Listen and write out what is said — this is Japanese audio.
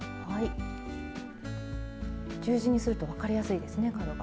十字にするとわかりやすいですね角が。